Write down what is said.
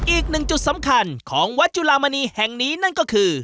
อีกหนึ่งจุดสำคัญของวัดจุลามณีแห่งนี้นั่นก็คือ